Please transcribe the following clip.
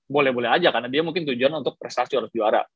boleh boleh aja karena dia mungkin tujuan untuk prestasi harus juara